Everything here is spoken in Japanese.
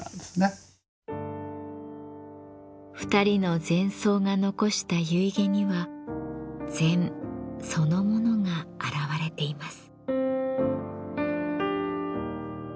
２人の禅僧が残した遺偈には禅そのものが表れています。